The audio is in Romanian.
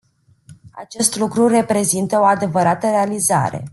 Acest lucru reprezintă o adevărată realizare.